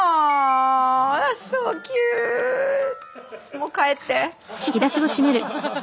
もう帰って。